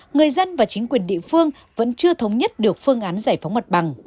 người dân và chính quyền địa phương vẫn chưa thống nhất được phương án giải phóng mặt bằng